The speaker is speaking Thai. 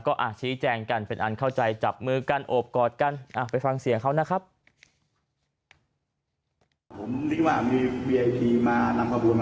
ก็ชี้แจงกันเป็นอันเข้าใจจับมือกันโอบกอดกันไปฟังเสียงเขานะครับ